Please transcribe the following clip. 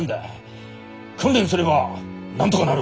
訓練すればなんとがなる。